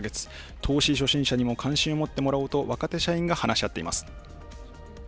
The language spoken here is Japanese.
投資初心者にも関心を持ってもらおうと、若手社員が話し合っています。